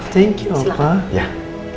terima kasih opah